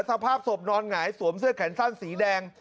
สภาพศพนอนหงายสวมเสื้อแขนสั้นสีแดง